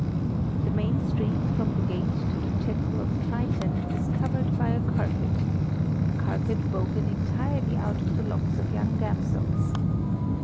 The main street, from the gate to the Temple of Triton, is covered by a carpet a carpet woven entirely out of the locks of young damsels.